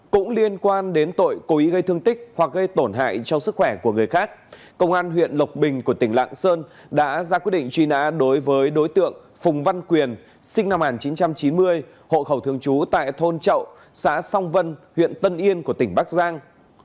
cũng liên quan đến tội cố ý gây thương tích hoặc gây tổn hại cho sức khỏe của người khác công an huyện lộc bình của tỉnh lạng sơn đã ra quyết định truy nã đối với đối tượng phùng văn quyền sinh năm một nghìn chín trăm chín mươi hộ khẩu thường trú tại thôn chậu xã song vân huyện tân yên của tỉnh bắc giang